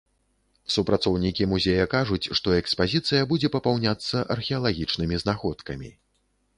Супрацоўнікі музея кажуць, што экспазіцыя будзе папаўняцца археалагічнымі знаходкамі.